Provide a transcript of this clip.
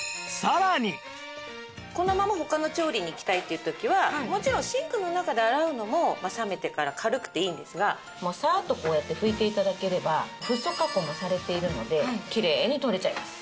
このまま他の調理にいきたいっていう時はもちろんシンクの中で洗うのもまあ冷めてから軽くていいんですがもうサーッとこうやって拭いて頂ければフッ素加工もされているのできれいに取れちゃいます。